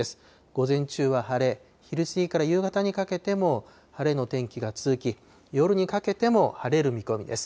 午前中は晴れ、昼過ぎから夕方にかけても晴れの天気が続き、夜にかけても晴れる見込みです。